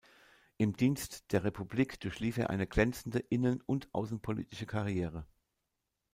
Im Dienst der Republik durchlief er eine glänzende innen- und außenpolitische Karriere.